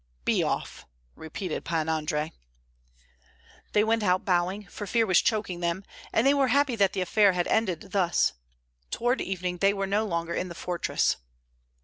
"Be off!" repeated Pan Andrei. They went out bowing; for fear was choking them, and they were happy that the affair had ended thus. Toward evening they were no longer in the fortress.